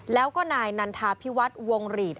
แล้วก็นายนันทาพิวัฒน์วงหลีด